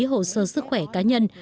hồ sơ sức khỏe cá nhân